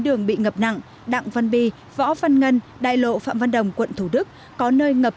đường bị ngập nặng đặng văn bi võ văn ngân đại lộ phạm văn đồng quận thủ đức có nơi ngập